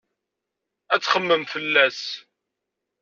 Ad txemmem fell-as.